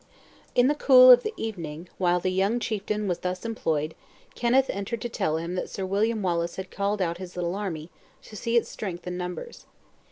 In the cool of the evening, while the young chieftain was thus employed, Kenneth entered to tell him that Sir William Wallace had called out his little army, to see its strength and numbers.